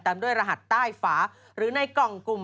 ด้วยรหัสใต้ฝาหรือในกล่องกลุ่ม